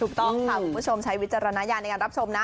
ถูกต้องค่ะคุณผู้ชมใช้วิจารณญาณในการรับชมนะ